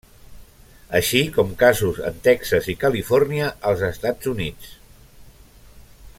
Així com casos en Texas i Califòrnia als Estats Units.